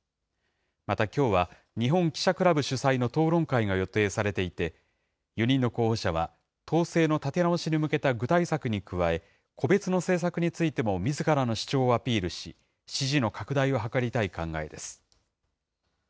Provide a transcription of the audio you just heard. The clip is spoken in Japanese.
またきょうは、日本記者クラブ主催の討論会が予定されていて、４人の候補者は、党勢の立て直しに向けた具体策に加え、個別の政策についてもみずからの主張をアピールし、支持の拡大を図りたい考えです。